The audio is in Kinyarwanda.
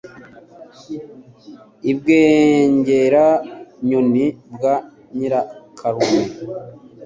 I Bwengera-nyoni bwa Nyirakarume